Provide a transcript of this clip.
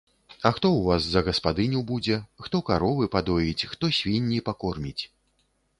А хто ў вас за гаспадыню будзе, хто каровы падоіць, хто свінні пакорміць?